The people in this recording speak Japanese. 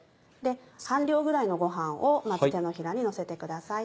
半量ぐらいのご飯をまず手のひらにのせてください。